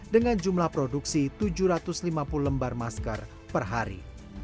dengan jumlah produksi tujuh ratus lima puluh lembar masker per hari